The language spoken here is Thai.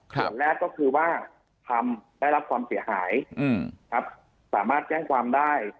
ส่วนแรกก็คือว่าทำได้รับความเสียหายสามารถแจ้งความได้